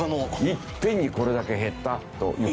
いっぺんにこれだけ減ったという事になるね。